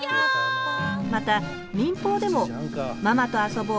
また民放でも「ママとあそぼう！